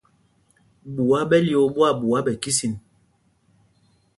Ɓuá ɓɛ lyōō ɓwâɓuá ɓɛ kísin.